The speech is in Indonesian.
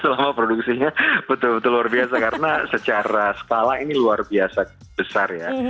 selama produksinya betul betul luar biasa karena secara skala ini luar biasa besar ya